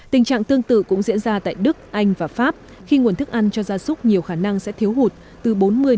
tình trạng tương tự cũng diễn ra tại đức anh và pháp khi nguồn thức ăn cho gia súc nhiều khả năng sẽ thiếu hụt từ bốn mươi